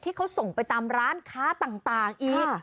ที่เขาส่งไปตามร้านค้าต่างอีก